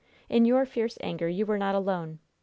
In your fierce anger you were not alone.